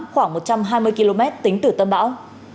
khoảng một trăm hai mươi km tính từ tâm bão